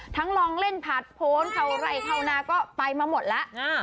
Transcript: ทั้งล้องเล่นพาดโพ้นเถ้าไหร่เท่านั้นก็ไปมาหมดแล้ว